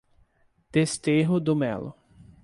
Desterro do Melo